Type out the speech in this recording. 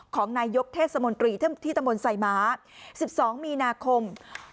ของนายกเทศมนตรีที่ตะมนต์ไซม้า๑๒มีนาคม